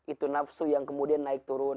itu nafsu yang kemudian naik turun